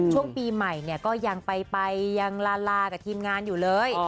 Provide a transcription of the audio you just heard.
ช่วงปีใหม่เนี่ยก็ยังไปยังลาลากับทีมงานอยู่เลย